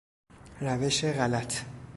روش غلط